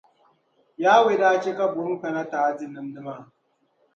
Yawɛ daa chɛ ka buɣim kana ti taai di nimdi maa.